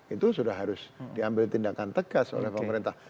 itu sudah harus diambil tindakan tegas oleh pemerintah